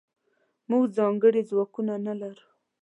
موږځنکړي ځواکونه نلرو